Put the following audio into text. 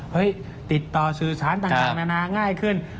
ติดต่อสื่อสารต่างนานาง่ายขึ้น